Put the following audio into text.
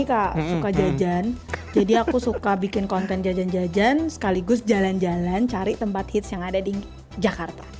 suka jajan jadi aku suka bikin konten jajan jajan sekaligus jalan jalan cari tempat hits yang ada di jakarta